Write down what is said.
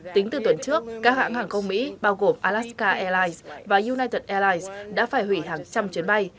tính từ tuần trước các hãng hàng không mỹ bao gồm alaska airlines và united airlines đã phải hủy hàng trăm chuyến bay